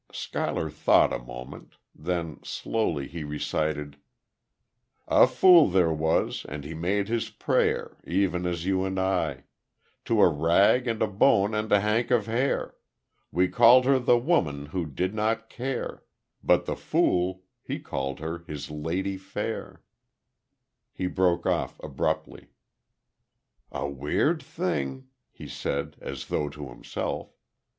Schuyler thought a moment. Then, slowly, he recited: "A fool there was, and he made his prayer, (Even as you and I) To a rag and a bone and a hank of hair. We called her the woman who did not care. But the fool, he called her his Lady Fair " He broke off, abruptly. "A weird thing," he said, as though to himself.